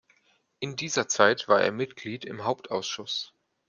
In dieser Zeit war er Mitglied im Hauptausschuss.